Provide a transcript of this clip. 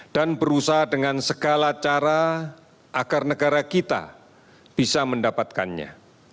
dan berusaha dengan segala cara agar negara kita bisa mendapatkannya